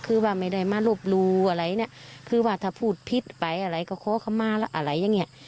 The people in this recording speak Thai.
คือว่าไม่ได้มารบรู้อะไรเนี่ยคือว่าถ้าพูดผิดไปอะไรก็ขอคำมาแล้วอะไรอย่างเงี้ย